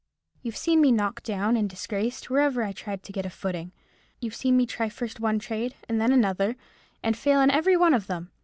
You've seen me knocked down and disgraced wherever I tried to get a footing; you've seen me try first one trade and then another, and fail in every one of them.